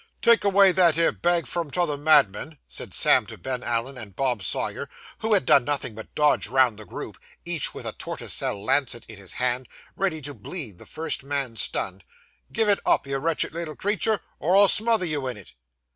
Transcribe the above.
'Take away that 'ere bag from the t'other madman,' said Sam to Ben Allen and Bob Sawyer, who had done nothing but dodge round the group, each with a tortoise shell lancet in his hand, ready to bleed the first man stunned. 'Give it up, you wretched little creetur, or I'll smother you in it.